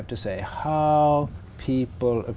về hợp lý